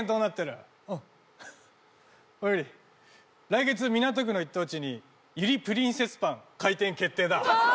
来月港区の一等地に「友梨プリンセスパン」開店決定だわあ